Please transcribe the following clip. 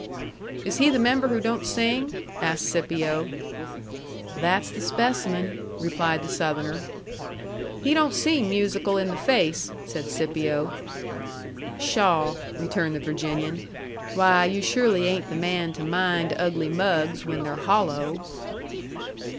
"Is he the member who don't sing?" asked Scipio. "That's the specimen," replied the Southerner. "He don't seem musical in the face," said Scipio. "Pshaw!" returned the Virginian. "Why, you surely ain't the man to mind ugly mugs when they're hollow!"